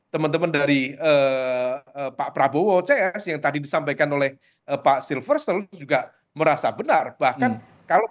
teman teman dari pak prabowo cs yang tadi disampaikan oleh pak silver selalu juga merasa benar bahkan kalau